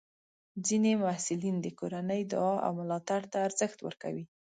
ځینې محصلین د کورنۍ دعا او ملاتړ ته ارزښت ورکوي.